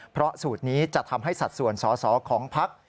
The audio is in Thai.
เพราะสูตรนี้จะทำให้สัดส่วนสอสอของพัก